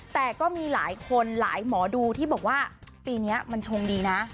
แต่ก็มีหลายคนหลายหมอดูที่บอกว่าปีนี้มันชงดีนะ